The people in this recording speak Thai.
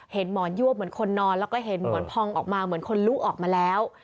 หมอนยวบเหมือนคนนอนแล้วก็เห็นหมอนพองออกมาเหมือนคนลุกออกมาแล้ว